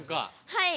はい。